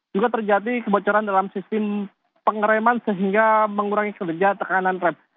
juga terjadi kebocoran dalam sistem pengereman sehingga mengurangi kinerja tekanan rep